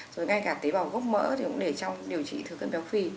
rồi ngay cả tế bào gốc mỡ thì cũng để trong điều trị thừa cân béo phì